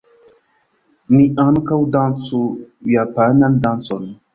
Ni ankaŭ dancu japanan dancon.